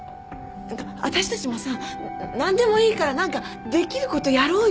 私たちもさ何でもいいから何かできることやろうよ。